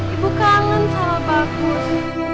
ibu kangen sama bagus